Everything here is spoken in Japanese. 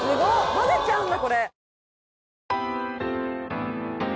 混ぜちゃうんだ